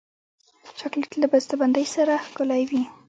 چاکلېټ له بسته بندۍ سره ښکلی وي.